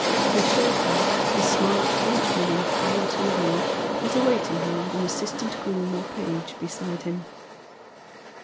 Her chauffeur, a smart Frenchman in quiet livery, was awaiting her with an assistant groom or page beside him.